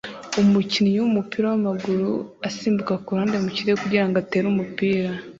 Umukinnyi wumupira wamaguru asimbuka kuruhande mu kirere kugirango atere umupira